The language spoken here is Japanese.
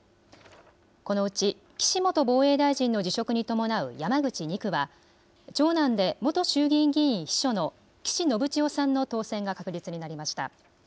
このうち岸元防衛大臣の辞職に伴う山口２区は長男で元衆議院議員秘書の岸信千世さんの当選が確実になりました。